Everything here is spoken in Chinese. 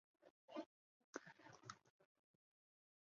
前任局长为许志梁。